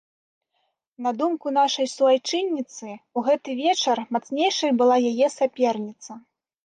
На думку нашай суайчынніцы, у гэты вечар мацнейшай была яе саперніца.